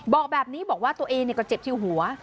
บอกแบบนี้บอกว่าตัวเองก็เจ็บที่หัว